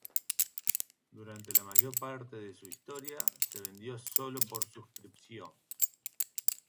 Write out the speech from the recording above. Durante la mayor parte de su historia, se vendió sólo por suscripción.